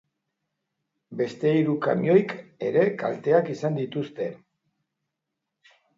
Beste hiru kamioik ere kalteak izan dituzte.